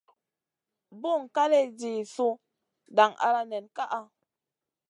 Buŋ kaley jih su dang ala nen kaʼa.